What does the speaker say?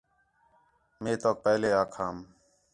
مے توک پہلے آکھام